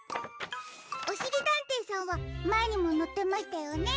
おしりたんていさんはまえにものってましたよね。